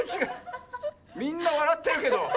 みんなわらってるけど。